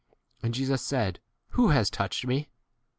And Jesus said, Who has touched me